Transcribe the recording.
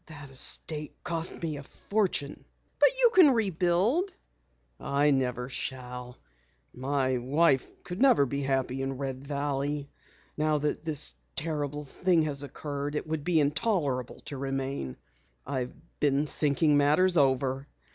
"The estate cost me a fortune." "But you can rebuild." "I never shall. My wife never could be happy in Red Valley. Now that this terrible thing has occurred, it would be intolerable to remain. I've been thinking matters over.